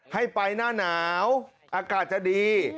ให้ไปหน้าหนาวอากาศจะดี